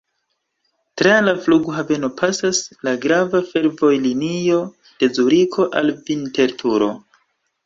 Tra la flughaveno pasas la grava fervojlinio de Zuriko al Vinterturo.